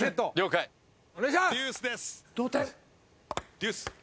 デュース。